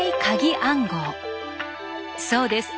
そうです。